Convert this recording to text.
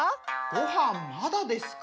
・ごはんまだですか？